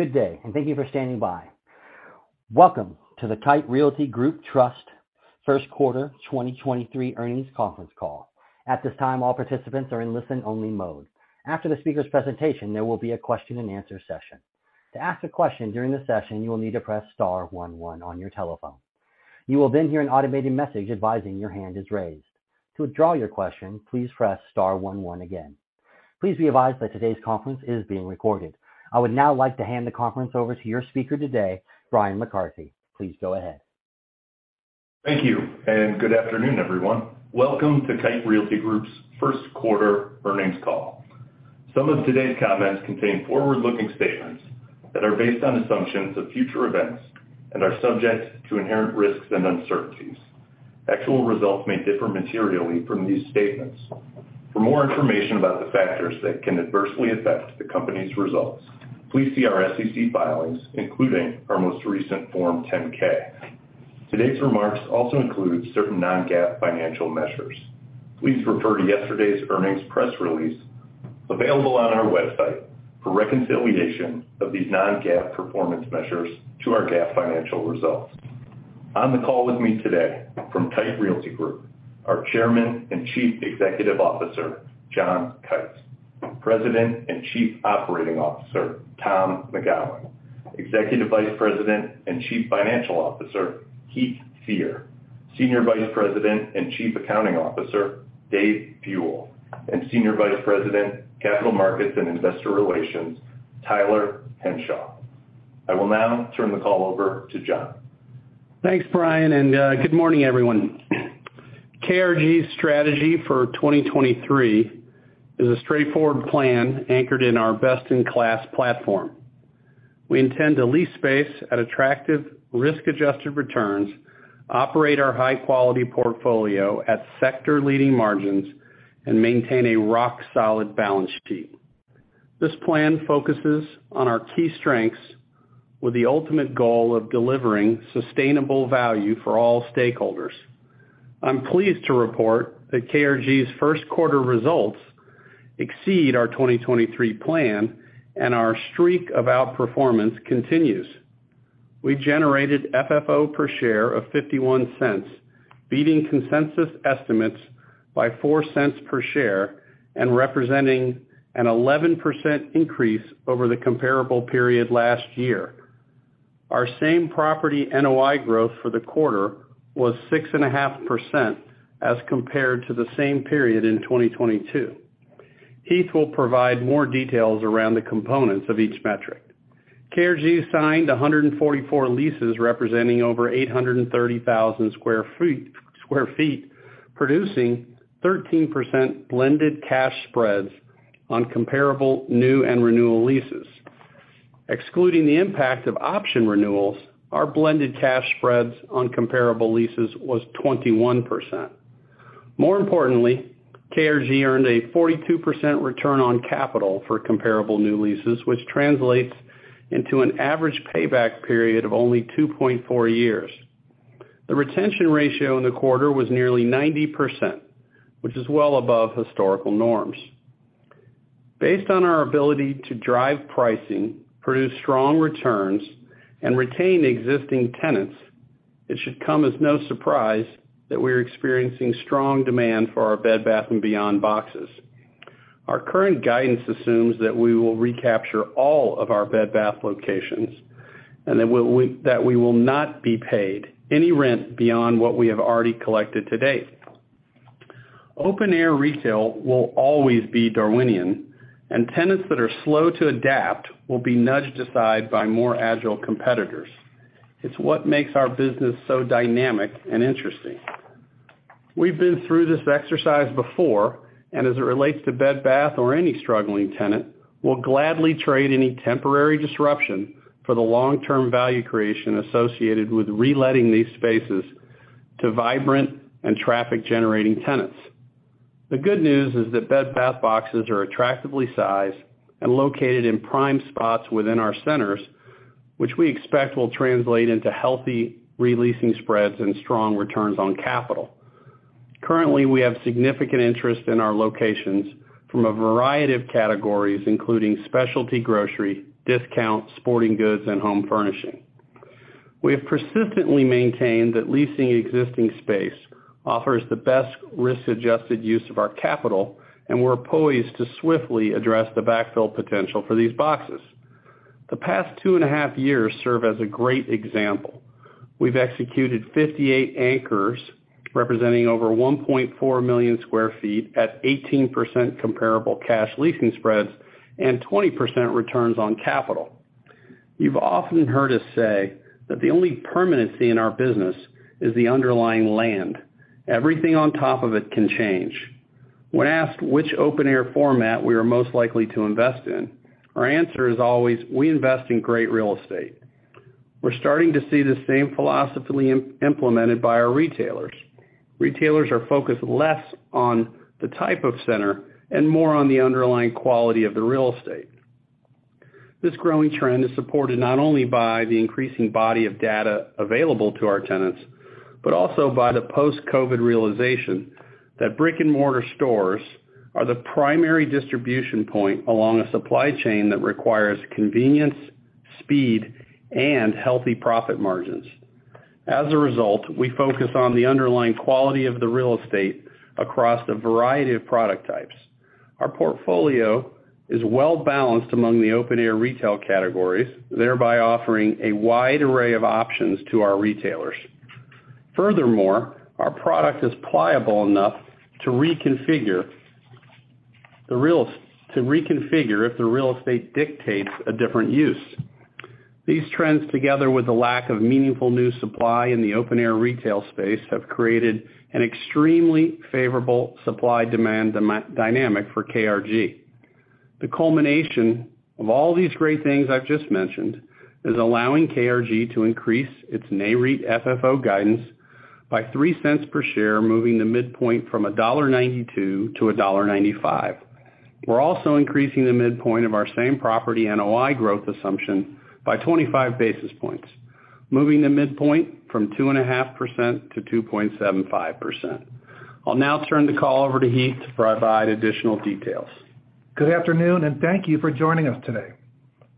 Good day. Thank you for standing by. Welcome to the Kite Realty Group Trust Q1 2023 earnings conference call. At this time, all participants are in listen-only mode. After the speaker's presentation, there will be a Q&A session. To ask a question during the session, you will need to press star one one on your telephone. You will hear an automated message advising your hand is raised. To withdraw your question, please press star one one again. Please be advised that today's conference is being recorded. I would now like to hand the conference over to your speaker today, Bryan McCarthy. Please go ahead. Thank you, and good afternoon, everyone. Welcome to Kite Realty Group's Q1 earnings call. Some of today's comments contain forward-looking statements that are based on assumptions of future events and are subject to inherent risks and uncertainties. Actual results may differ materially from these statements. For more information about the factors that can adversely affect the company's results, please see our SEC filings, including our most recent Form 10-K. Today's remarks also include certain non-GAAP financial measures. Please refer to yesterday's earnings press release available on our website for reconciliation of these non-GAAP performance measures to our GAAP financial results. On the call with me today from Kite Realty Group, our Chairman and Chief Executive Officer, John Kite; President and Chief Operating Officer, Tom McGowan; Executive Vice President and Chief Financial Officer, Heath Fear; Senior Vice President and Chief Accounting Officer, Dave Buell; and Senior Vice President, Capital Markets, and Investor Relations, Tyler Henshaw. I will now turn the call over to John. Thanks, Bryan, good morning, everyone. KRG's strategy for 2023 is a straightforward plan anchored in our best-in-class platform. We intend to lease space at attractive risk-adjusted returns, operate our high-quality portfolio at sector leading margins, and maintain a rock-solid balance sheet. This plan focuses on our key strengths with the ultimate goal of delivering sustainable value for all stakeholders. I'm pleased to report that KRG's Q1 results exceed our 2023 plan, and our streak of outperformance continues. We generated FFO per share of $0.51, beating consensus estimates by $0.04 per share and representing an 11% increase over the comparable period last year. Our same property NOI growth for the quarter was 6.5% as compared to the same period in 2022. Heath will provide more details around the components of each metric. KRG signed 144 leases representing over 830,000 sq ft, producing 13% blended cash spreads on comparable new and renewal leases. Excluding the impact of option renewals, our blended cash spreads on comparable leases was 21%. More importantly, KRG earned a 42% return on capital for comparable new leases, which translates into an average payback period of only 2.4 years. The retention ratio in the quarter was nearly 90%, which is well above historical norms. Based on our ability to drive pricing, produce strong returns, and retain existing tenants, it should come as no surprise that we're experiencing strong demand for our Bed Bath & Beyond boxes. Our current guidance assumes that we will recapture all of our Bed Bath locations and that we that we will not be paid any rent beyond what we have already collected to date. Open air retail will always be Darwinian, and tenants that are slow to adapt will be nudged aside by more agile competitors. It's what makes our business so dynamic and interesting. We've been through this exercise before, and as it relates to Bed Bath or any struggling tenant, we'll gladly trade any temporary disruption for the long-term value creation associated with reletting these spaces to vibrant and traffic-generating tenants. The good news is that Bed Bath boxes are attractively sized and located in prime spots within our centers, which we expect will translate into healthy re-leasing spreads and strong returns on capital. Currently, we have significant interest in our locations from a variety of categories, including specialty grocery, discount, sporting goods, and home furnishing. We have persistently maintained that leasing existing space offers the best risk-adjusted use of our capital, and we're poised to swiftly address the backfill potential for these boxes. The past two and a half years serve as a great example. We've executed 58 anchors representing over 1.4 million sq ft at 18% comparable cash leasing spreads and 20% returns on capital. You've often heard us say that the only permanency in our business is the underlying land. Everything on top of it can change. When asked which open air format we are most likely to invest in, our answer is always, "We invest in great real estate." We're starting to see the same philosophy implemented by our retailers. Retailers are focused less on the type of center and more on the underlying quality of the real estate. This growing trend is supported not only by the increasing body of data available to our tenants. Also by the post-COVID realization that brick-and-mortar stores are the primary distribution point along a supply chain that requires convenience, speed, and healthy profit margins. As a result, we focus on the underlying quality of the real estate across a variety of product types. Our portfolio is well-balanced among the open-air retail categories, thereby offering a wide array of options to our retailers. Furthermore, our product is pliable enough to reconfigure if the real estate dictates a different use. These trends, together with the lack of meaningful new supply in the open-air retail space, have created an extremely favorable supply-demand dynamic for KRG. The culmination of all these great things I've just mentioned is allowing KRG to increase its NAREIT FFO guidance by $0.03 per share, moving the midpoint from $1.92-$1.95. We're also increasing the midpoint of our same-property NOI growth assumption by 25 basis points, moving the midpoint from 2.5%-2.75%. I'll now turn the call over to Heath to provide additional details. Good afternoon, and thank you for joining us today.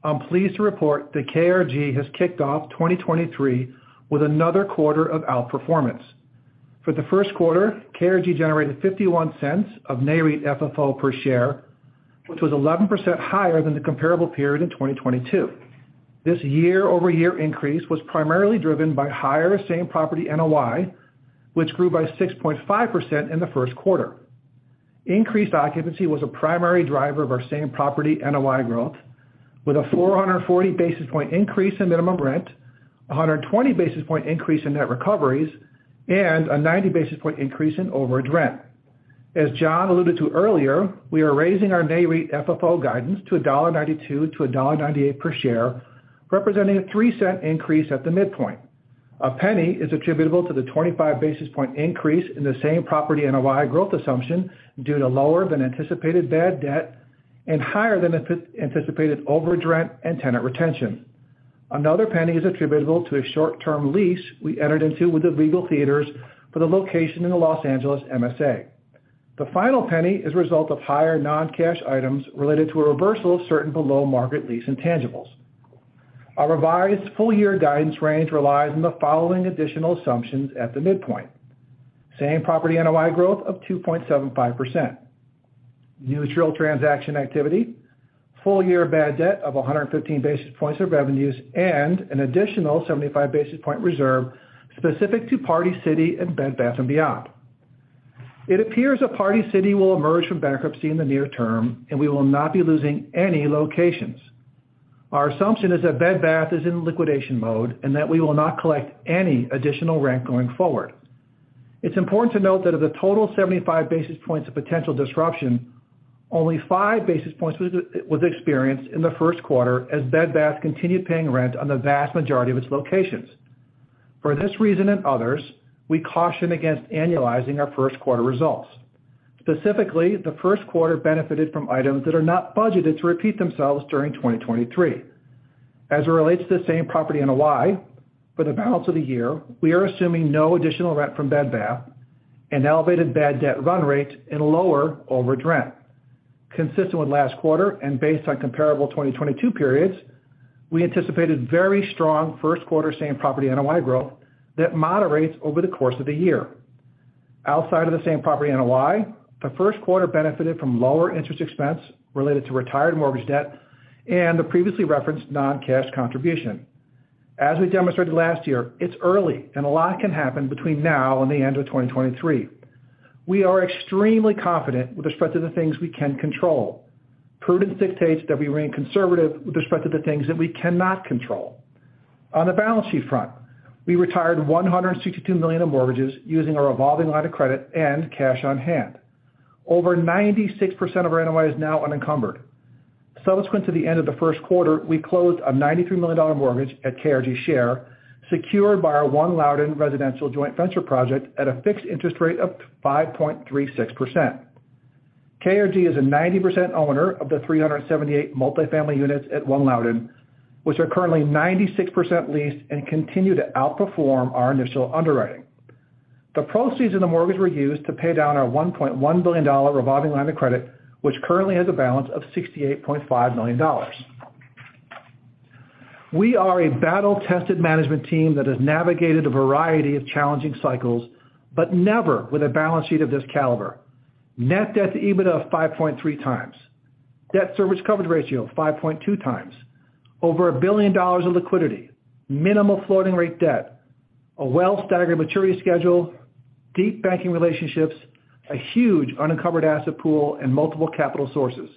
I'm pleased to report that KRG has kicked off 2023 with another quarter of outperformance. For the Q1, KRG generated $0.51 of NAREIT FFO per share, which was 11% higher than the comparable period in 2022. This year-over-year increase was primarily driven by higher same-property NOI, which grew by 6.5% in the Q1. Increased occupancy was a primary driver of our same-property NOI growth, with a 440 basis point increase in minimum rent, a 120 basis point increase in net recoveries, and a 90 basis point increase in overage rent. As John alluded to earlier, we are raising our NAREIT FFO guidance to $1.92-$1.98 per share, representing a $0.03 increase at the midpoint. A $0.01 is attributable to the 25 basis point increase in the same-property NOI growth assumption due to lower than anticipated bad debt and higher than anticipated overage rent and tenant retention. Another $0.01 is attributable to a short-term lease we entered into with the Regal Cinemas for the location in the Los Angeles MSA. The final $0.01 is a result of higher non-cash items related to a reversal of certain below-market lease intangibles. Our revised full-year guidance range relies on the following additional assumptions at the midpoint: same-property NOI growth of 2.75%, neutral transaction activity, full-year bad debt of 115 basis points of revenues, and an additional 75 basis point reserve specific to Party City and Bed Bath & Beyond. It appears that Party City will emerge from bankruptcy in the near term, and we will not be losing any locations. Our assumption is that Bed Bath is in liquidation mode and that we will not collect any additional rent going forward. It's important to note that of the total 75 basis points of potential disruption, only 5 basis points was experienced in the Q1 as Bed Bath continued paying rent on the vast majority of its locations. For this reason and others, we caution against annualizing our Q1 results. Specifically, the Q1 benefited from items that are not budgeted to repeat themselves during 2023. As it relates to the same-property NOI for the balance of the year, we are assuming no additional rent from Bed Bath, an elevated bad debt run rate, and lower overage rent. Consistent with last quarter and based on comparable 2022 periods, we anticipated very strong Q1 same-property NOI growth that moderates over the course of the year. Outside of the same-property NOI, the Q1 benefited from lower interest expense related to retired mortgage debt and the previously referenced non-cash contribution. As we demonstrated last year, it's early, and a lot can happen between now and the end of 2023. We are extremely confident with respect to the things we can control. Prudence dictates that we remain conservative with respect to the things that we cannot control. On the balance sheet front, we retired $162 million in mortgages using our revolving line of credit and cash on hand. Over 96% of our NOI is now unencumbered. Subsequent to the end of the Q1, we closed a $93 million mortgage at KRG Share, secured by our One Loudoun residential joint venture project at a fixed interest rate of 5.36%. KRG is a 90% owner of the 378 multifamily units at One Loudoun, which are currently 96% leased and continue to outperform our initial underwriting. The proceeds in the mortgage were used to pay down our $1.1 billion revolving line of credit, which currently has a balance of $68.5 million. We are a battle-tested management team that has navigated a variety of challenging cycles, but never with a balance sheet of this caliber. Net debt to EBITDA of 5.3x. Debt service coverage ratio, 5.2x. Over $1 billion of liquidity. Minimal floating rate debt. A well-staggered maturity schedule. Deep banking relationships. A huge unencumbered asset pool and multiple capital sources.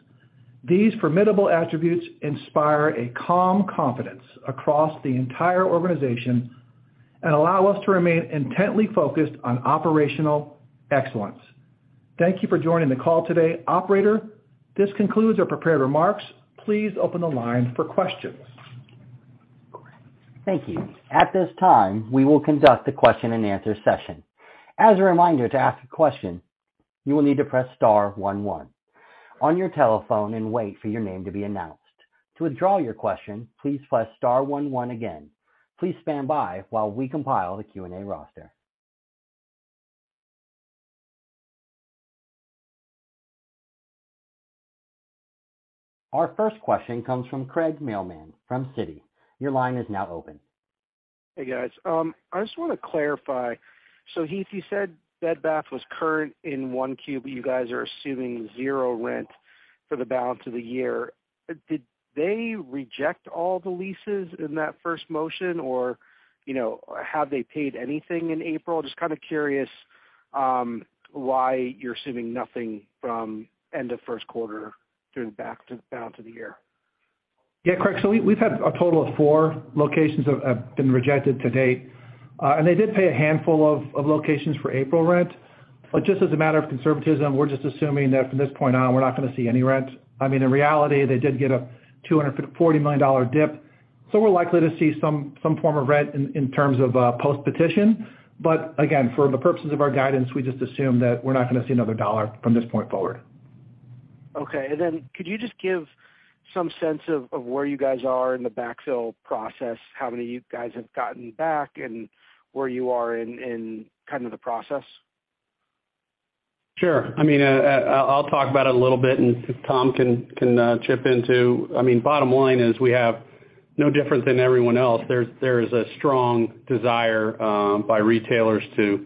These formidable attributes inspire a calm confidence across the entire organization and allow us to remain intently focused on operational excellence. Thank you for joining the call today. Operator, this concludes our prepared remarks. Please open the line for questions. Thank you. At this time, we will conduct the question-and-answer session. As a reminder, to ask a question, you will need to press star one one. On your telephone and wait for your name to be announced. To withdraw your question, please press star one one again. Please stand by while we compile the Q&A roster. Our first question comes from Craig Mailman from Citi. Your line is now open. Hey, guys. I just wanna clarify. Heath, you said Bed Bath was current in Q1. You guys are assuming zero rent for the balance of the year. Did they reject all the leases in that first motion or, you know, have they paid anything in April? Kinda curious, why you're assuming nothing from end of Q1 through the balance of the year. Yeah, Craig. We've had a total of four locations have been rejected to date. They did pay a handful of locations for April rent. Just as a matter of conservatism, we're just assuming that from this point on, we're not gonna see any rent. I mean, in reality, they did get a $254 million DIP, we're likely to see some form of rent in terms of post-petition. Again, for the purposes of our guidance, we just assume that we're not gonna see another dollar from this point forward. Okay. Could you just give some sense of where you guys are in the backfill process, how many you guys have gotten back and where you are in kind of the process? Sure. I mean, I'll talk about it a little bit and Tom McGowan can chip in too. I mean, bottom line is we have no different than everyone else. There is a strong desire by retailers to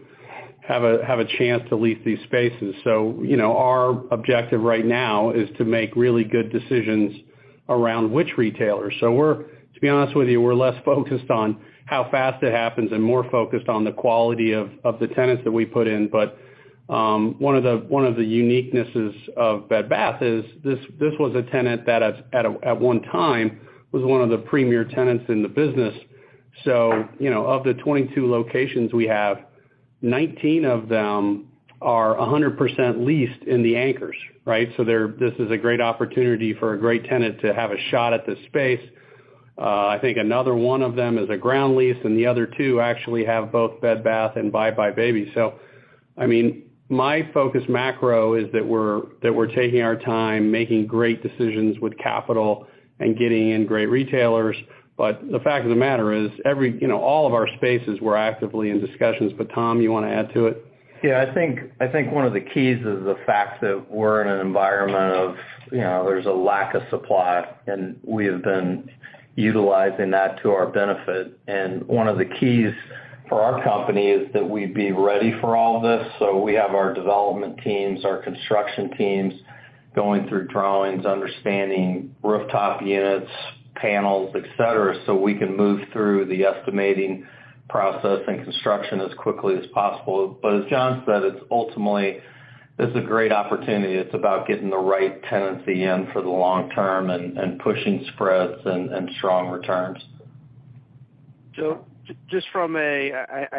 have a chance to lease these spaces. You know, our objective right now is to make really good decisions around which retailers. To be honest with you, we're less focused on how fast it happens and more focused on the quality of the tenants that we put in. One of the uniquenesses of Bed Bath & Beyond is this was a tenant that at one time, was one of the premier tenants in the business. You know, of the 22 locations we have, 19 of them are 100% leased in the anchors, right? This is a great opportunity for a great tenant to have a shot at this space. I think another one of them is a ground lease, and the other two actually have both Bed Bath and buybuy BABY. I mean, my focus macro is that we're taking our time making great decisions with capital and getting in great retailers. The fact of the matter is all of our spaces were actively in discussions, but Tom, you wanna add to it? Yeah, I think one of the keys is the fact that we're in an environment of, you know, there's a lack of supply, and we have been utilizing that to our benefit. One of the keys for our company is that we be ready for all of this. We have our development teams, our construction teams going through drawings, understanding rooftop units, panels, et cetera, so we can move through the estimating process and construction as quickly as possible. As John said, it's ultimately, this is a great opportunity. It's about getting the right tenancy in for the long term and pushing spreads and strong returns. I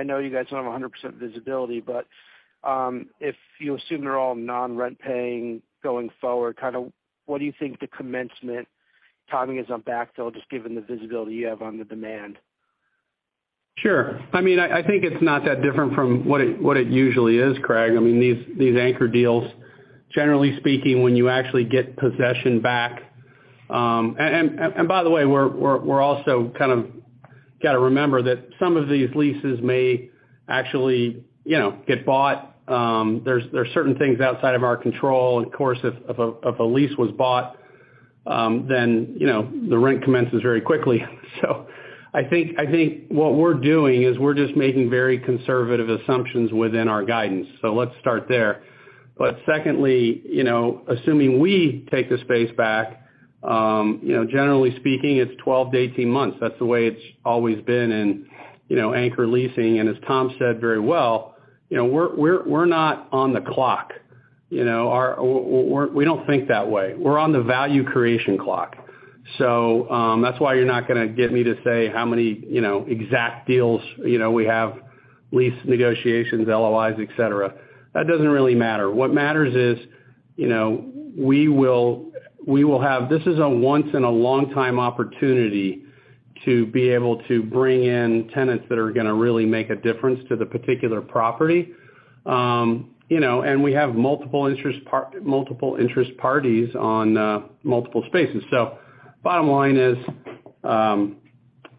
know you guys don't have 100% visibility, but if you assume they're all non-rent paying going forward, kind of what do you think the commencement timing is on backfill, just given the visibility you have on the demand? Sure. I mean, I think it's not that different from what it usually is, Craig. I mean, these anchor deals, generally speaking, when you actually get possession back. By the way, we're also kind of gotta remember that some of these leases may actually, you know, get bought. There's certain things outside of our control. Of course, if a lease was bought, then, you know, the rent commences very quickly. I think what we're doing is we're just making very conservative assumptions within our guidance. Let's start there. Secondly, you know, assuming we take the space back, you know, generally speaking, it's 12-18 months. That's the way it's always been in, you know, anchor leasing. As Tom said very well, you know, we're not on the clock, you know. We don't think that way. We're on the value creation clock. That's why you're not gonna get me to say how many, you know, exact deals, you know, we have lease negotiations, LOIs, et cetera. That doesn't really matter. What matters is, you know, we will have. This is a once in a long time opportunity to be able to bring in tenants that are gonna really make a difference to the particular property. We have multiple interest parties on multiple spaces. Bottom line is,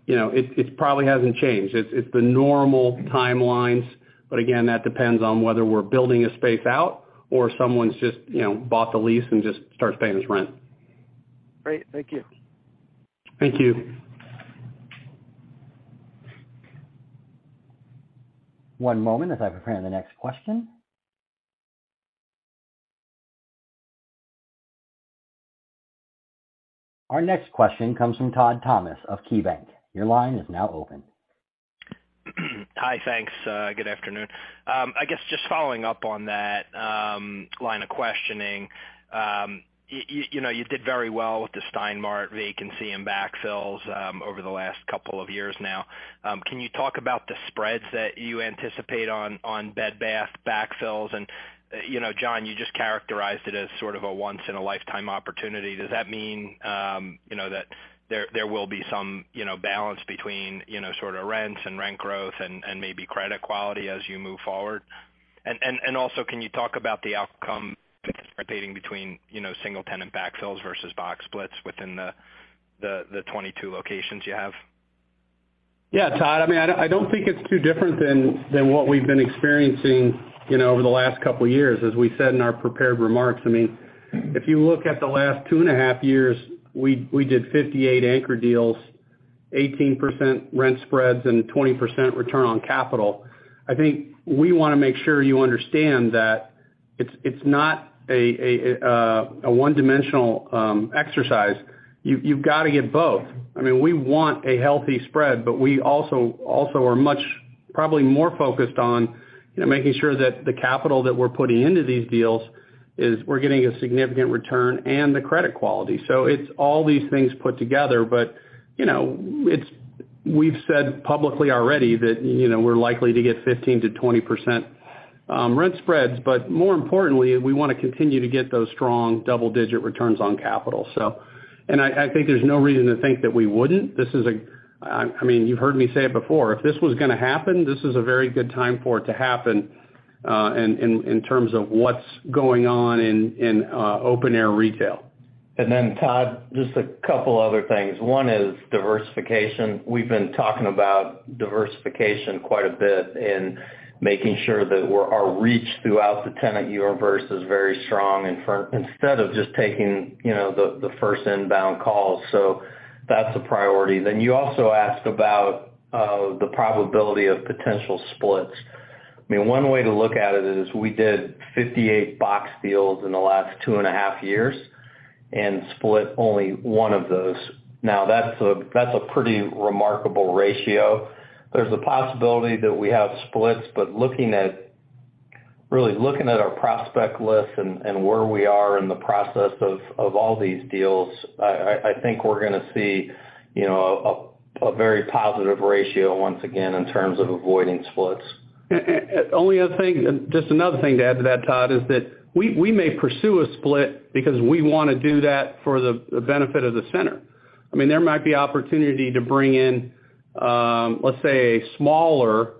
you know, it probably hasn't changed. It's the normal timelines, but again, that depends on whether we're building a space out or someone's just, you know, bought the lease and just starts paying us rent. Great. Thank you. Thank you. One moment as I prepare the next question. Our next question comes from Todd Thomas of KeyBanc. Your line is now open. Hi, thanks. Good afternoon. I guess just following up on that line of questioning, you know, you did very well with the Stein Mart vacancy and backfills over the last couple of years now. Can you talk about the spreads that you anticipate on Bed Bath backfills? You know, John, you just characterized it as sort of a once in a lifetime opportunity. Does that mean, you know, that there will be some, you know, balance between, you know, sort of rents and rent growth and maybe credit quality as you move forward? Also, can you talk about the outcome participating between, you know, single tenant backfills versus box splits within the 22 locations you have? Yeah, Todd, I don't think it's too different than what we've been experiencing, you know, over the last couple years. We said in our prepared remarks, I mean, if you look at the last two and a half years, we did 58 anchor deals, 18% rent spreads, and 20% return on capital. I think we wanna make sure you understand that it's not a one-dimensional exercise. You've gotta get both. I mean, we want a healthy spread, we also are much probably more focused on, you know, making sure that the capital that we're putting into these deals is we're getting a significant return and the credit quality. It's all these things put together. You know, we've said publicly already that, you know, we're likely to get 15%-20% rent spreads. More importantly, we wanna continue to get those strong double-digit returns on capital. I think there's no reason to think that we wouldn't. I mean, you've heard me say it before, if this was gonna happen, this is a very good time for it to happen, in terms of what's going on in open-air retail. Todd, just a couple other things. One is diversification. We've been talking about diversification quite a bit and making sure that our reach throughout the tenant universe is very strong and instead of just taking, you know, the first inbound call. That's a priority. You also asked about the probability of potential splits. I mean, one way to look at it is we did 58 box deals in the last two and a half years and split only one of those. That's a pretty remarkable ratio. There's a possibility that we have splits, but really looking at our prospect list and where we are in the process of all these deals, I think we're gonna see, you know, a very positive ratio once again in terms of avoiding splits. Only other thing, just another thing to add to that, Todd, is that we may pursue a split because we wanna do that for the benefit of the center. I mean, there might be opportunity to bring in, let's say, a smaller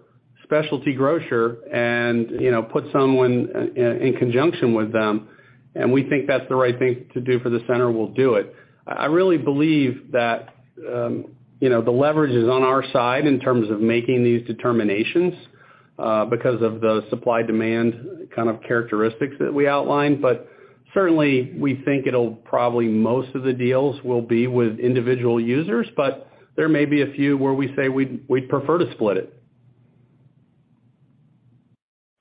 specialty grocer and, you know, put someone in conjunction with them, and we think that's the right thing to do for the center, we'll do it. I really believe that, you know, the leverage is on our side in terms of making these determinations because of the supply-demand kind of characteristics that we outlined. Certainly, we think it'll probably most of the deals will be with individual users, but there may be a few where we say we'd prefer to split it.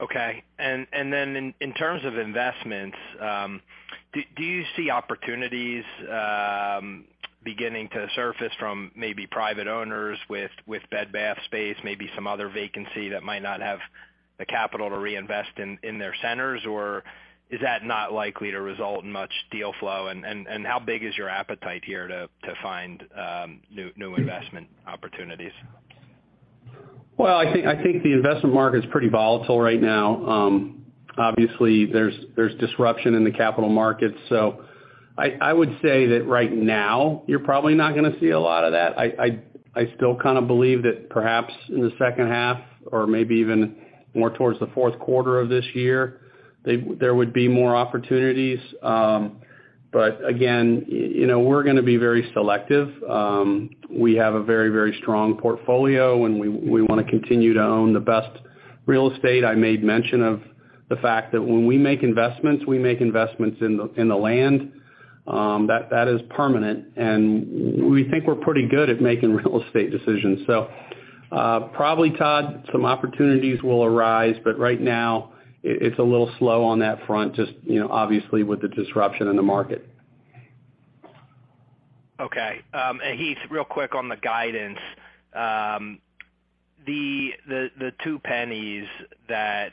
Okay. In terms of investments, Do you see opportunities beginning to surface from maybe private owners with Bed Bath space, maybe some other vacancy that might not have the capital to reinvest in their centers? Is that not likely to result in much deal flow? How big is your appetite here to find new investment opportunities? I think, I think the investment market is pretty volatile right now. Obviously, there's disruption in the capital markets. I would say that right now, you're probably not gonna see a lot of that. I still kind of believe that perhaps in the H2 or maybe even more towards the Q4 of this year, there would be more opportunities. Again, you know, we're gonna be very selective. We have a very, very strong portfolio, and we wanna continue to own the best real estate. I made mention of the fact that when we make investments, we make investments in the land, that is permanent. We think we're pretty good at making real estate decisions. Probably, Todd, some opportunities will arise, but right now it's a little slow on that front, just, you know, obviously with the disruption in the market. Okay. Heath, real quick on the guidance. The $0.02 that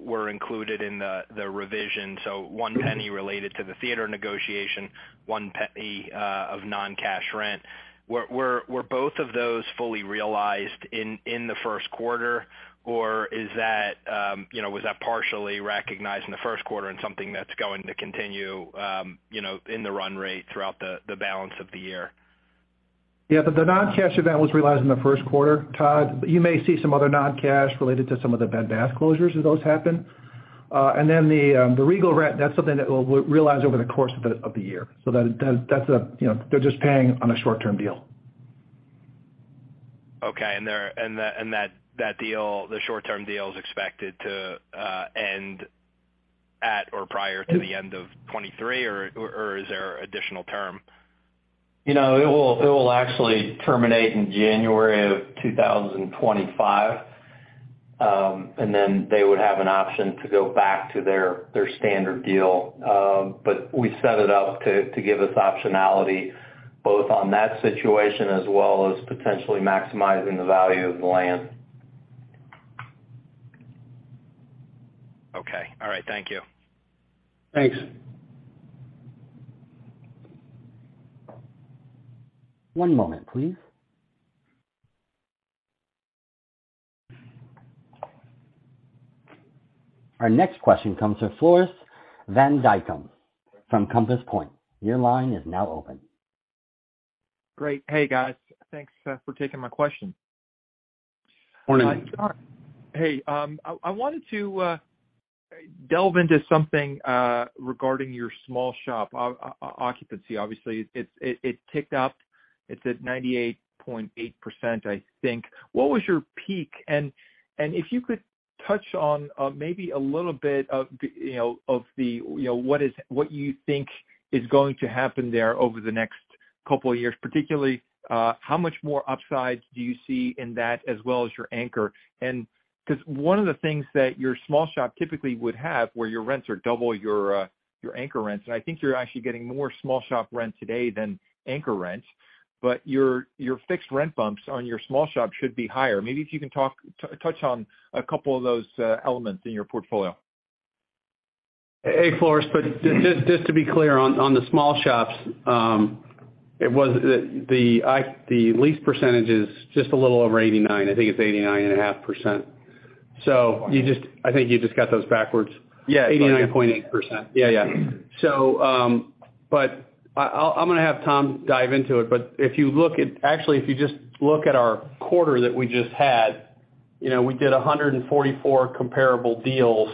were included in the revision, so $0.01 related to the theater negotiation, $0.01 of non-cash rent. Were both of those fully realized in the Q1, or is that, you know, was that partially recognized in the Q1 and something that's going to continue, you know, in the run rate throughout the balance of the year? The non-cash event was realized in the Q1, Todd. You may see some other non-cash related to some of the Bed Bath closures as those happen. The Regal rent, that's something that we'll realize over the course of the, of the year. That, that's a, you know, they're just paying on a short-term deal. Okay. That deal, the short-term deal is expected to end at or prior to the end of 2023 or is there additional term? You know, it will, it will actually terminate in January of 2025. They would have an option to go back to their standard deal. We set it up to give us optionality both on that situation as well as potentially maximizing the value of the land. Okay. All right. Thank you. Thanks. One moment, please. Our next question comes from Floris van Dijkum from Compass Point. Your line is now open. Great. Hey guys. Thanks for taking my question. Morning. Hey, I wanted to delve into something regarding your small shop occupancy. Obviously, it ticked up. It's at 98.8%, I think. What was your peak? If you could touch on maybe a little bit of the, you know, of the, you know, what you think is going to happen there over the next two years. Particularly, how much more upside do you see in that as well as your anchor? Because one of the things that your small shop typically would have, where your rents are double your anchor rents, and I think you're actually getting more small shop rent today than anchor rents. Your fixed rent bumps on your small shop should be higher. Maybe if you can touch on a couple of those elements in your portfolio. Hey, Floris. Just to be clear, on the small shops, the lease percentage is just a little over 89. I think it's 89.5%. So you just. Wow. I think you just got those backwards. Yeah. 89.8%. Yeah, yeah. But I'll, I'm gonna have Tom dive into it. Actually, if you just look at our quarter that we just had, you know, we did 144 comparable deals.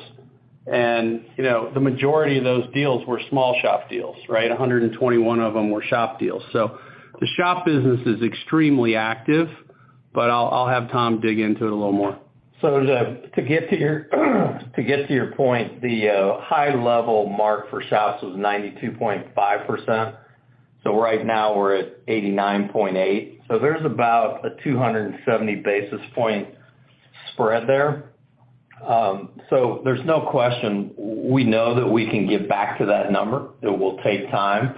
You know, the majority of those deals were small shop deals, right? 121 of them were shop deals. The shop business is extremely active, but I'll have Tom dig into it a little more. To get to your point, the high level mark for shops was 92.5%. Right now we're at 89.8%, so there's about a 270 basis point spread there. There's no question, we know that we can get back to that number. It will take time,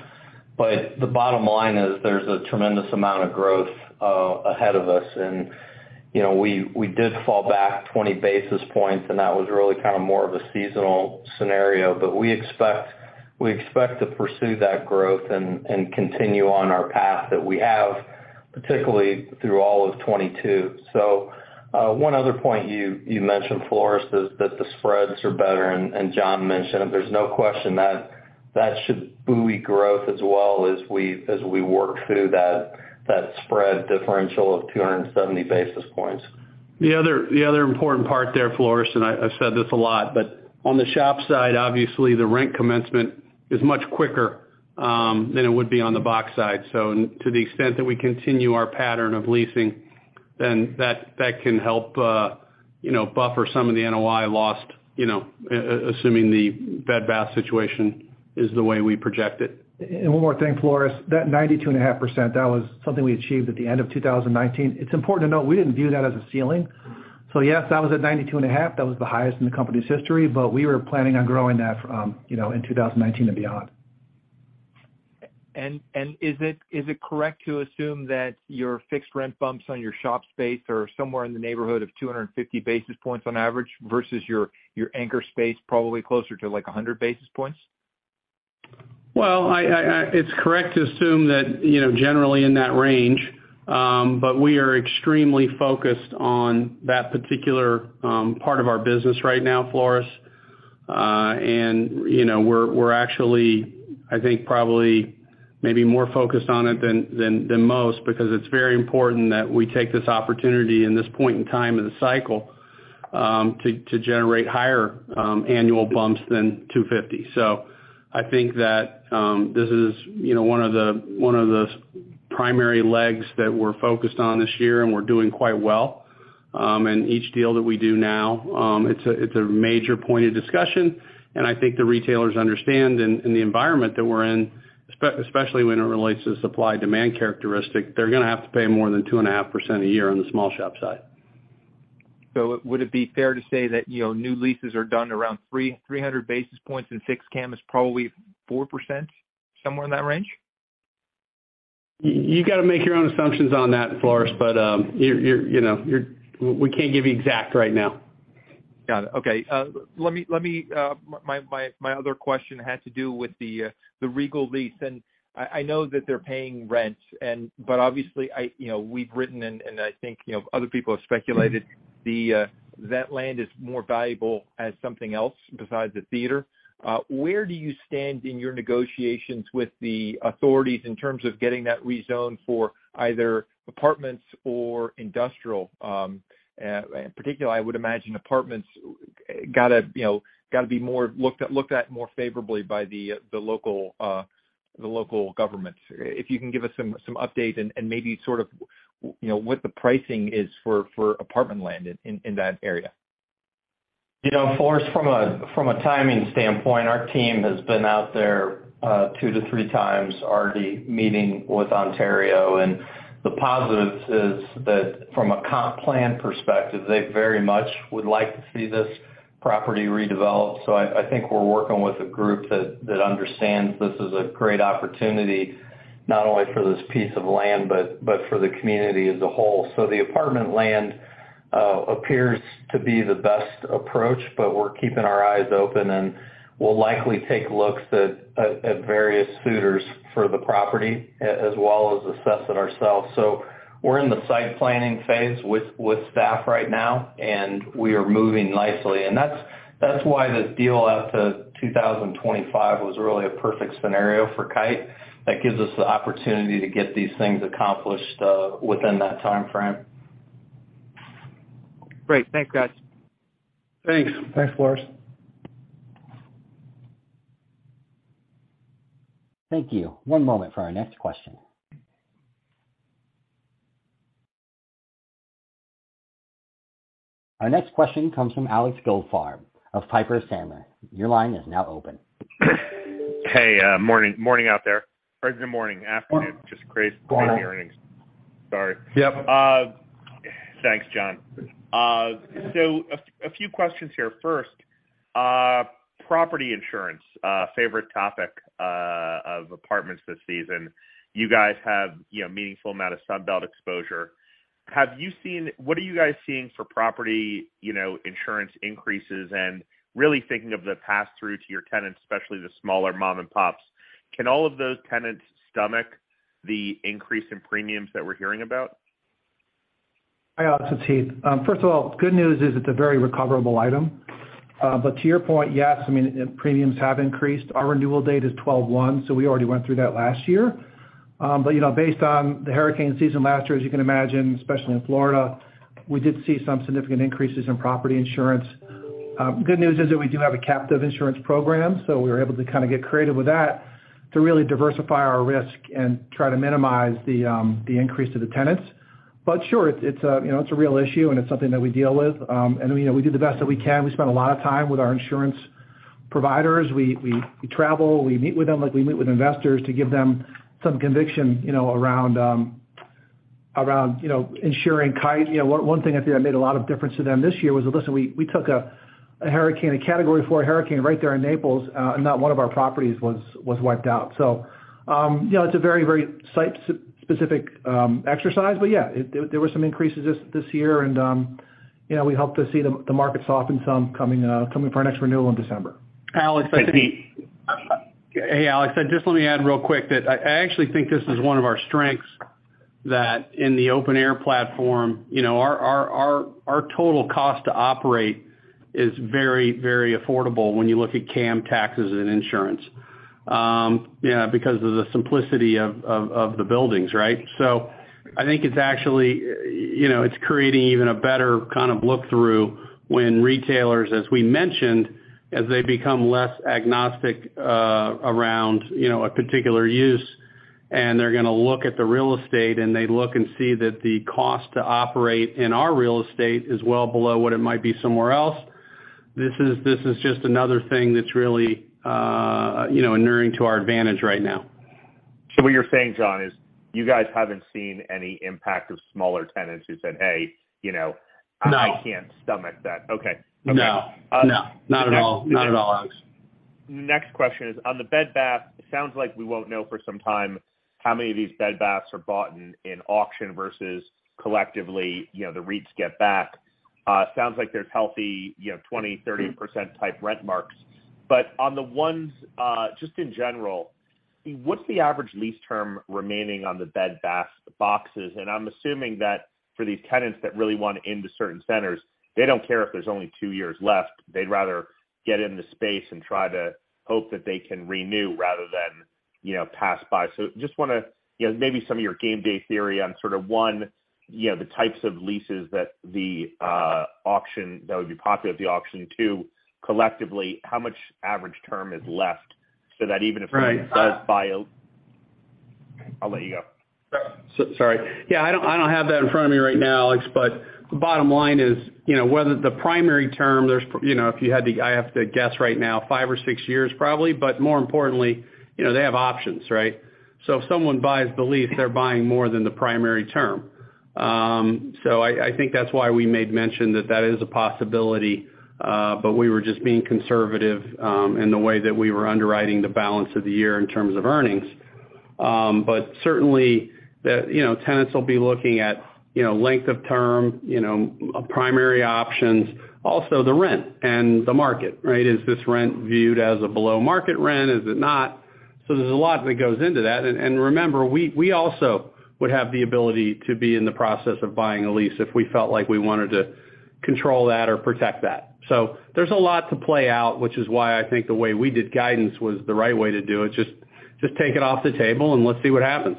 the bottom line is there's a tremendous amount of growth ahead of us. You know, we did fall back 20 basis points, that was really kind of more of a seasonal scenario. We expect to pursue that growth and continue on our path that we have, particularly through all of 2022. One other point you mentioned, Floris, is that the spreads are better, and John mentioned, and there's no question that should buoy growth as well as we work through that spread differential of 270 basis points. The other important part there, Floris, and I've said this a lot, but on the shop side, obviously the rent commencement is much quicker than it would be on the box side. To the extent that we continue our pattern of leasing, that can help, you know, buffer some of the NOI lost, you know, assuming the Bed Bath situation is the way we project it. One more thing, Floris. That 92.5%, that was something we achieved at the end of 2019. It's important to note we didn't view that as a ceiling. Yes, that was at 92.5. That was the highest in the company's history, but we were planning on growing that from, you know, in 2019 and beyond. Is it correct to assume that your fixed rent bumps on your shop space are somewhere in the neighborhood of 250 basis points on average versus your anchor space, probably closer to, like, 100 basis points? It's correct to assume that, you know, generally in that range, but we are extremely focused on that particular part of our business right now, Floris. You know, we're actually, I think, probably maybe more focused on it than most because it's very important that we take this opportunity in this point in time in the cycle to generate higher annual bumps than $2.50. I think that this is, you know, one of the, one of the primary legs that we're focused on this year, and we're doing quite well. Each deal that we do now, it's a, it's a major point of discussion, I think the retailers understand in the environment that we're in, especially when it relates to supply-demand characteristic, they're gonna have to pay more than 2.5% a year on the small shop side. Would it be fair to say that, you know, new leases are done around 300 basis points and fixed CAM is probably 4%, somewhere in that range? You gotta make your own assumptions on that, Floris. You're, you know, we can't give you exact right now. Got it. Okay. Let me my other question had to do with the Regal lease. I know that they're paying rent but obviously I, you know, we've written and I think, you know, other people have speculated that land is more valuable as something else besides a theater. Where do you stand in your negotiations with the authorities in terms of getting that rezoned for either apartments or industrial? In particular, I would imagine apartments, gotta, you know, be more looked at more favorably by the local government. If you can give us some update and maybe sort of, you know, what the pricing is for apartment land in that area. You know, Floris, from a timing standpoint, our team has been out there, two to three times already meeting with Ontario. The positives is that from a comp plan perspective, they very much would like to see this property redeveloped. I think we're working with a group that understands this is a great opportunity not only for this piece of land, but for the community as a whole. The apartment land appears to be the best approach, but we're keeping our eyes open, and we'll likely take looks at various suitors for the property as well as assess it ourselves. We're in the site planning phase with staff right now, and we are moving nicely. That's why the deal out to 2025 was really a perfect scenario for Kite. That gives us the opportunity to get these things accomplished, within that time frame. Great. Thanks, guys. Thanks. Thanks, Floris. Thank you. One moment for our next question. Our next question comes from Alex Goldfarb of Piper Sandler. Your line is now open. Hey, morning out there. Good morning, afternoon. Just crazy earnings. Sorry. Yep. Thanks, John. A few questions here. First, property insurance, favorite topic of apartments this season. You guys have, you know, meaningful amount of Sun Belt exposure. What are you guys seeing for property, you know, insurance increases? Really thinking of the pass-through to your tenants, especially the smaller mom and pops. Can all of those tenants stomach the increase in premiums that we're hearing about? Hi, Alex. It's Heath. First of all, good news is it's a very recoverable item. To your point, yes, I mean, premiums have increased. Our renewal date is 12 January, so we already went through that last year. You know, based on the hurricane season last year, as you can imagine, especially in Florida, we did see some significant increases in property insurance. Good news is that we do have a captive insurance program, so we were able to kind of get creative with that to really diversify our risk and try to minimize the increase to the tenants. Sure, it's, you know, it's a real issue, and it's something that we deal with. You know, we do the best that we can. We spend a lot of time with our insurance providers. We travel, we meet with them like we meet with investors to give them some conviction, you know, around, you know, insuring Kite. You know, one thing I think that made a lot of difference to them this year was, listen, we took a hurricane, a category four hurricane right there in Naples, and not one of our properties was wiped out. You know, it's a very site-specific exercise. Yeah, there were some increases this year and, you know, we hope to see the market soften some coming for our next renewal in December. Alex- Hey, Alex, just let me add real quick that I actually think this is one of our strengths, that in the open air platform, you know, our total cost to operate is very, very affordable when you look at CAM taxes and insurance, you know, because of the simplicity of the buildings, right? I think it's actually, you know, it's creating even a better kind of look-through when retailers, as we mentioned, as they become less agnostic, around, you know, a particular use, and they're gonna look at the real estate, and they look and see that the cost to operate in our real estate is well below what it might be somewhere else. This is just another thing that's really, you know, inuring to our advantage right now. what you're saying, John, is you guys haven't seen any impact of smaller tenants who said, "Hey, you know, I can't stomach that. No. Okay. No, no, not at all. Not at all, Alex. Next question is on the Bed Bath, it sounds like we won't know for some time how many of these Bed Baths are bought in auction versus collectively, you know, the REITs get back. It sounds like there's healthy, you know, 20%, 30% type rent marks. On the ones, just in general, what's the average lease term remaining on the Bed Bath boxes? I'm assuming that for these tenants that really want into certain centers, they don't care if there's only two years left. They'd rather get in the space and try to hope that they can renew rather than, you know, pass by. Just wanna, you know, maybe some of your game day theory on sort of, one, you know, the types of leases that the auction that would be popular at the auction? Two, collectively, how much average term is left so that even if somebody does buy a. I'll let you go. sorry. Yeah, I don't have that in front of me right now, Alex, the bottom line is, you know, whether the primary term there's, you know, I have to guess right now, five or six years, probably, more importantly, you know, they have options, right? If someone buys the lease, they're buying more than the primary term. I think that's why we made mention that that is a possibility, we were just being conservative in the way that we were underwriting the balance of the year in terms of earnings. Certainly, the, you know, tenants will be looking at, you know, length of term, you know, primary options, also the rent and the market, right? Is this rent viewed as a below market rent? Is it not? There's a lot that goes into that. Remember, we also would have the ability to be in the process of buying a lease if we felt like we wanted to control that or protect that. There's a lot to play out, which is why I think the way we did guidance was the right way to do it. Just take it off the table and let's see what happens.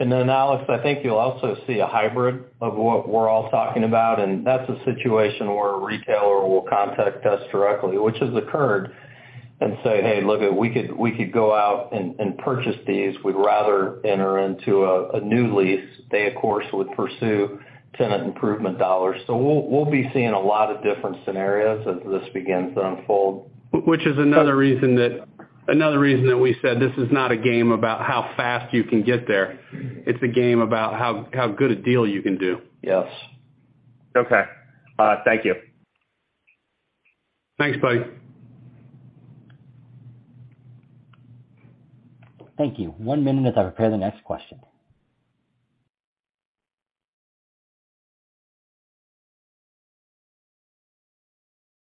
Alex, I think you'll also see a hybrid of what we're all talking about, and that's a situation where a retailer will contact us directly, which has occurred, and say, "Hey, look, we could go out and purchase these. We'd rather enter into a new lease." They, of course, would pursue tenant improvement dollars. We'll be seeing a lot of different scenarios as this begins to unfold. Which is another reason that we said this is not a game about how fast you can get there. It's a game about how good a deal you can do. Yes. Okay. Thank you. Thanks, buddy. Thank you. One minute as I prepare the next question.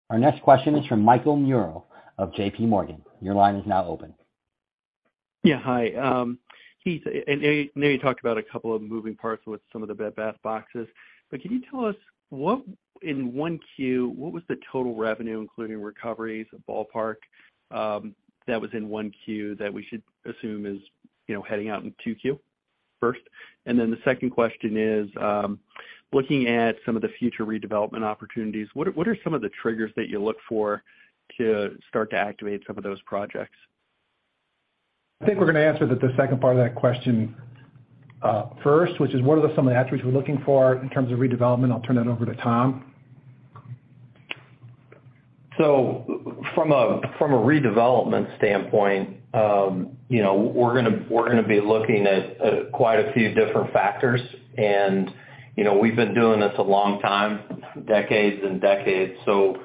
Our next question is from Michael Mueller of JPMorgan, your line is now open. Yeah, hi. Heath, and I know you talked about a couple of moving parts with some of the Bed Bath boxes, can you tell us what, in one Q, what was the total revenue, including recoveries ballpark, that was in Q1 that we should assume is, you know, heading out in Q2 first? The second question is, looking at some of the future redevelopment opportunities, what are some of the triggers that you look for to start to activate some of those projects? I think we're gonna answer the second part of that question first, which is what are the some of the attributes we're looking for in terms of redevelopment? I'll turn that over to Tom. From a redevelopment standpoint, you know, we're gonna be looking at quite a few different factors. You know, we've been doing this a long time, decades and decades, so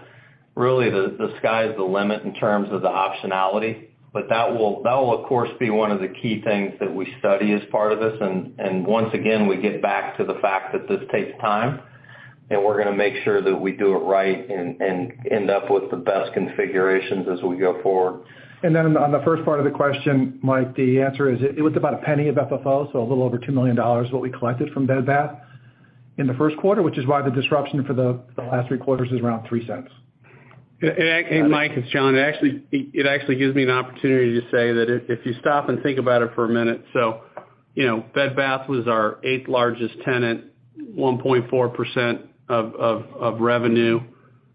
really the sky's the limit in terms of the optionality. That will, of course, be one of the key things that we study as part of this. Once again, we get back to the fact that this takes time, and we're gonna make sure that we do it right and end up with the best configurations as we go forward. On the first part of the question, Mike, the answer is it was about a penny of FFO, so a little over $2 million is what we collected from Bed Bath in the Q1, which is why the disruption for the last three quarters is around $0.03. Mike, it's John. It actually gives me an opportunity to say that if you stop and think about it for a minute, you know, Bed Bath was our eighth-largest tenant, 1.4% of revenue,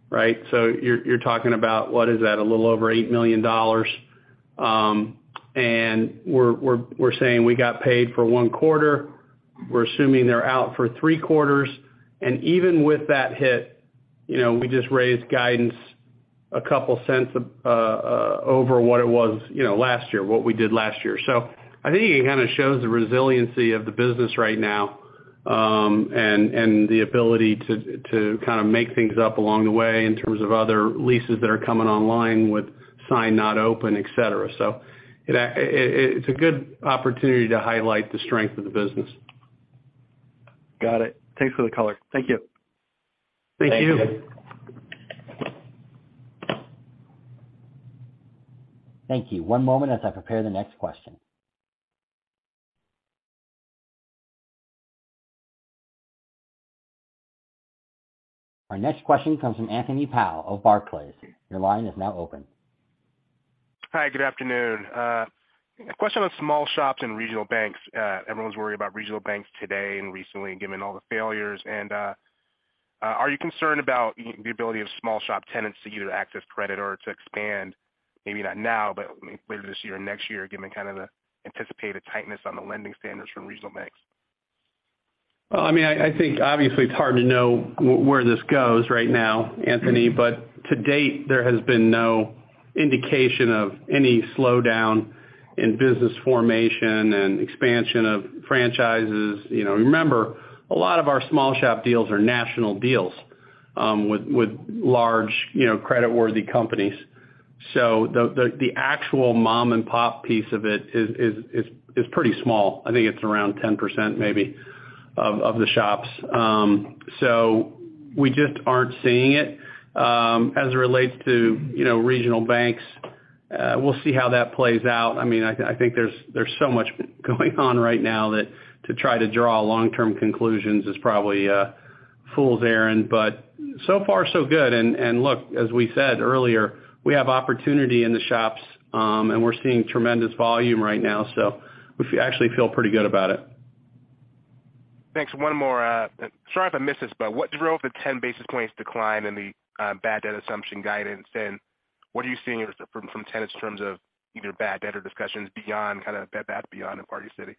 right? You're talking about what is that? A little over $8 million. We're saying we got paid for one quarter. We're assuming they're out for three quarters. Even with that hit, you know, we just raised guidance a couple cents over what it was, you know, last year, what we did last year. I think it kind of shows the resiliency of the business right now, and the ability to kind of make things up along the way in terms of other leases that are coming online with signed not open, et cetera. It's a good opportunity to highlight the strength of the business. Got it. Thanks for the color. Thank you. Thank you. Thank you. Thank you. One moment as I prepare the next question. Our next question comes from Anthony Powell of Barclays. Your line is now open. Hi, good afternoon. A question on small shops and regional banks? Everyone's worried about regional banks today and recently, given all the failures. Are you concerned about the ability of small shop tenants to either access credit or to expand, maybe not now, but later this year or next year, given kind of the anticipated tightness on the lending standards from regional banks? I mean, I think obviously it's hard to know where this goes right now, Anthony. To date, there has been no indication of any slowdown in business formation and expansion of franchises. You know, remember, a lot of our small shop deals are national deals, with large, you know, credit-worthy companies. The actual mom and pop piece of it is pretty small. I think it's around 10% maybe, of the shops. We just aren't seeing it. As it relates to, you know, regional banks, we'll see how that plays out. I mean, I think there's so much going on right now that to try to draw long-term conclusions is probably a fool's errand, but so far so good. Look, as we said earlier, we have opportunity in the shops, and we're seeing tremendous volume right now, so we actually feel pretty good about it. Thanks. One more. Sorry if I missed this, what drove the 10 basis points decline in the bad debt assumption guidance, and what are you seeing from tenants in terms of either bad debt or discussions beyond kind of Bed Bath & Beyond and Party City?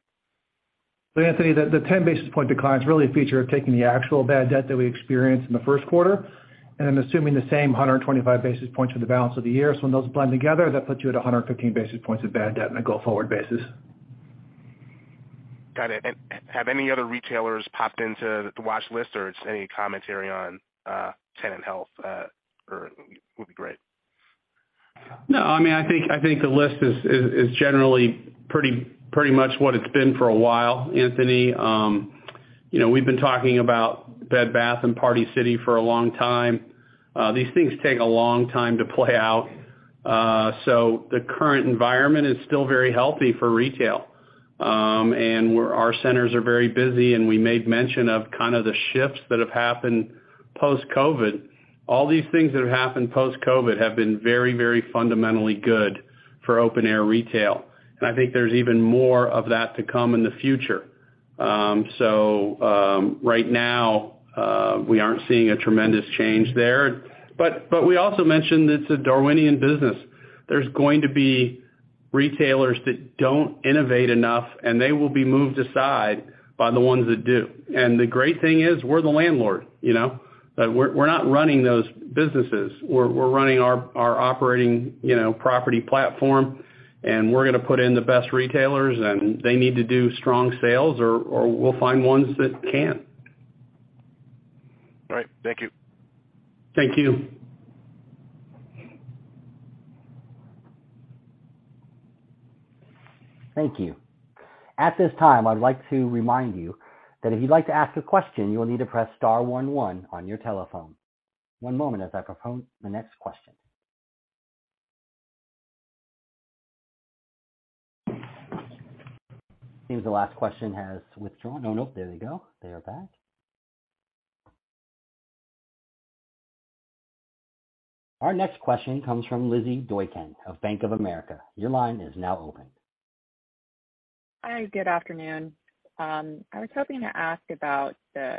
Anthony, the 10 basis point decline is really a feature of taking the actual bad debt that we experienced in the Q1 and then assuming the same 125 basis points for the balance of the year. When those blend together, that puts you at 115 basis points of bad debt on a go-forward basis. Got it. Have any other retailers popped into the watch list or just any commentary on tenant health, or would be great? No, I think the list is generally pretty much what it's been for a while, Anthony. You know, we've been talking about Bed Bath and Party City for a long time. These things take a long time to play out. The current environment is still very healthy for retail. Our centers are very busy, and we made mention of kind of the shifts that have happened post-COVID. All these things that have happened post-COVID have been very fundamentally good for open-air retail, and I think there's even more of that to come in the future. Right now, we aren't seeing a tremendous change there. We also mentioned it's a Darwinian business. There's going to be retailers that don't innovate enough, and they will be moved aside by the ones that do. The great thing is we're the landlord, you know. We're not running those businesses. We're running our operating, you know, property platform, and we're gonna put in the best retailers. They need to do strong sales or we'll find ones that can. All right. Thank you. Thank you. Thank you. At this time, I would like to remind you that if you'd like to ask a question, you will need to press star one one on your telephone. One moment as I prepare for the next question. It seems the last question has withdrawn. Oh, nope, there they go. They are back. Our next question comes from Lizzy Doykan of Bank of America. Your line is now open. Hi, good afternoon. I was hoping to ask about the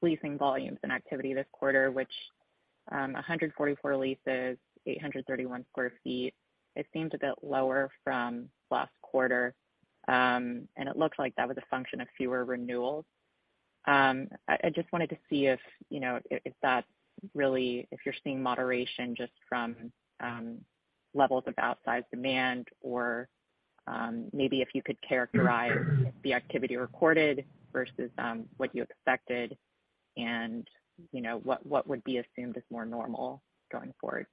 leasing volumes and activity this quarter, which, 144 leases, 831 sq ft. It seems a bit lower from last quarter. It looks like that was a function of fewer renewals. I just wanted to see if, you know, is that really if you're seeing moderation just from levels of outsized demand or maybe if you could characterize the activity recorded versus what you expected and, you know, what would be assumed as more normal going forward.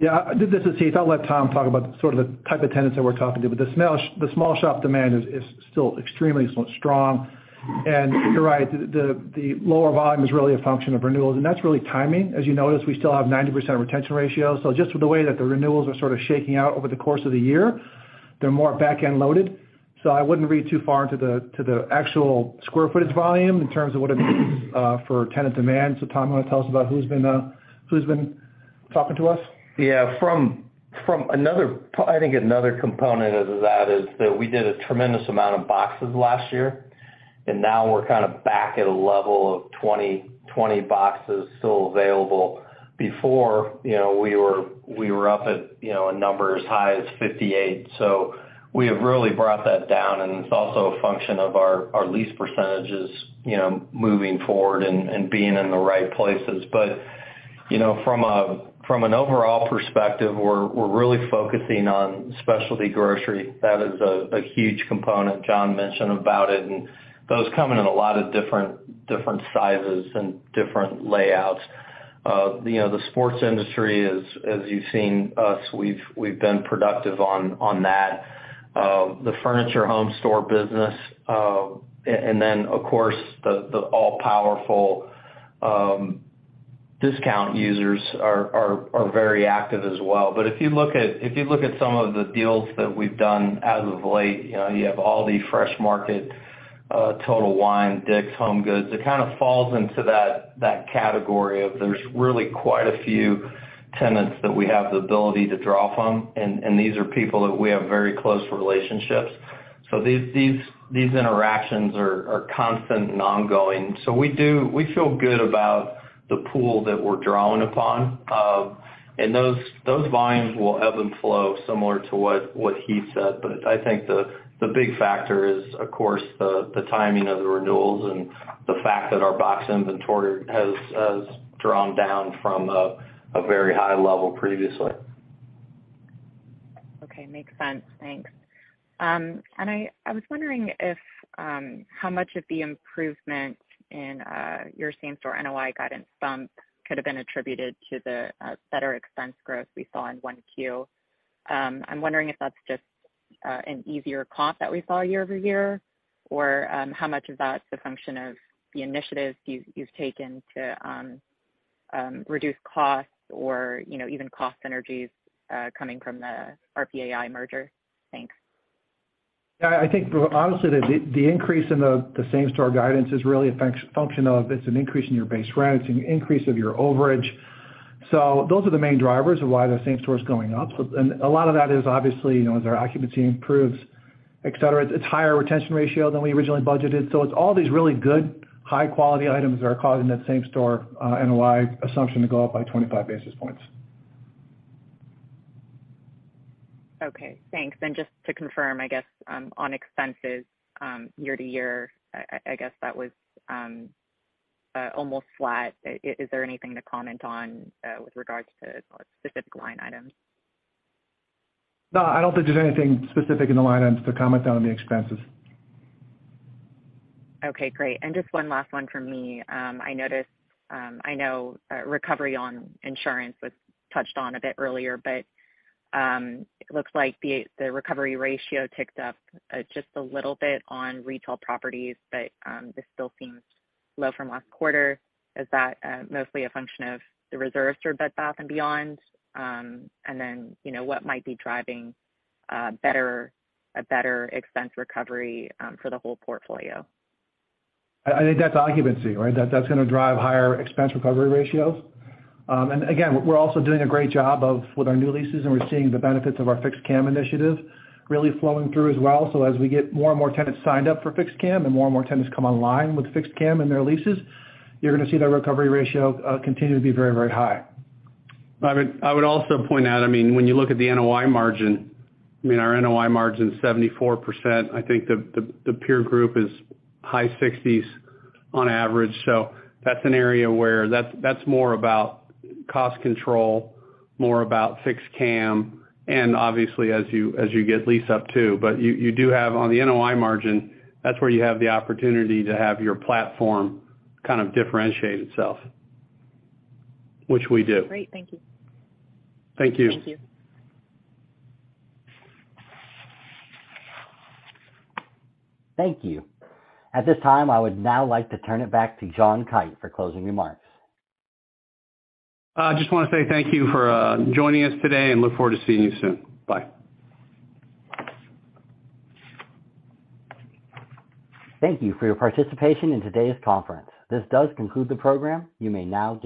Yeah. This is Heath. I'll let Tom talk about sort of the type of tenants that we're talking to, but the small shop demand is still extremely so strong. You're right, the lower volume is really a function of renewals, and that's really timing. As you notice, we still have 90% retention ratio. Just with the way that the renewals are sort of shaking out over the course of the year, they're more back-end loaded. I wouldn't read too far into the actual square footage volume in terms of what it means for tenant demand. Tom, you wanna tell us about who's been talking to us? From another component of that is that we did a tremendous amount of boxes last year, and now we're kind of back at a level of 20 boxes still available. Before, you know, we were up at, you know, a number as high as 58. We have really brought that down, and it's also a function of our lease percentages, you know, moving forward and being in the right places. You know, from a, from an overall perspective, we're really focusing on specialty grocery. That is a huge component. John mentioned about it, and those come in in a lot of different sizes and different layouts. You know, the sports industry, as you've seen us, we've been productive on that. The furniture home store business, and then, of course, the all-powerful discount users are very active as well. If you look at some of the deals that we've done as of late, you know, you have Aldi, Fresh Market, Total Wine, DICK'S, HomeGoods, it kind of falls into that category of, there's really quite a few tenants that we have the ability to draw from, and these are people that we have very close relationships. These interactions are constant and ongoing. We feel good about the pool that we're drawing upon. Those volumes will ebb and flow similar to what he said. I think the big factor is, of course, the timing of the renewals and the fact that our box inventory has drawn down from a very high level previously. Okay. Makes sense. Thanks. I was wondering if how much of the improvement in your same-store NOI guidance bump could have been attributed to the better expense growth we saw in Q1. I'm wondering if that's just an easier comp that we saw year-over-year, or how much of that is a function of the initiatives you've taken to reduce costs or, you know, even cost synergies coming from the RPAI merger. Thanks. I think honestly, the increase in the same store guidance is really a function of it's an increase in your base rents and increase of your overage. Those are the main drivers of why the same store is going up. A lot of that is obviously, you know, as our occupancy improves, et cetera, it's higher retention ratio than we originally budgeted. It's all these really good high quality items that are causing that same store, NOI assumption to go up by 25 basis points. Okay, thanks. Just to confirm, I guess, on expenses, year-over-year, I guess that was almost flat. Is there anything to comment on with regards to specific line items? No, I don't think there's anything specific in the line items to comment on the expenses. Okay, great. Just 1 last one from me. I noticed, I know, recovery on insurance was touched on a bit earlier, it looks like the recovery ratio ticked up just a little bit on retail properties, this still seems low from last quarter. Is that mostly a function of the reserves for Bed Bath & Beyond? You know, what might be driving a better expense recovery for the whole portfolio? I think that's occupancy, right? That's gonna drive higher expense recovery ratios. Again, we're also doing a great job of with our new leases, and we're seeing the benefits of our fixed CAM initiative really flowing through as well. As we get more and more tenants signed up for fixed CAM and more and more tenants come online with fixed CAM in their leases, you're gonna see that recovery ratio continue to be very, very high. I mean, I would also point out, I mean, when you look at the NOI margin, I mean our NOI margin is 74%. I think the peer group is high 60s on average. That's an area where that's more about cost control, more about fixed CAM and obviously as you get lease up too. You do have on the NOI margin, that's where you have the opportunity to have your platform kind of differentiate itself, which we do. Great. Thank you. Thank you. Thank you. Thank you. At this time, I would now like to turn it back to John Kite for closing remarks. I just wanna say thank you for joining us today and look forward to seeing you soon. Bye. Thank you for your participation in today's conference. This does conclude the program. You may now disconnect.